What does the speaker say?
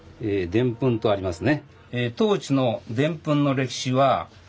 「でん粉」とありますね。